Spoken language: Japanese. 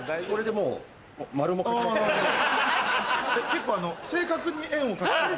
結構正確に円を描く時は。